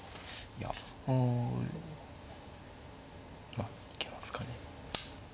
まあ行きますかね。